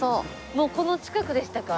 もうこの近くでしたか？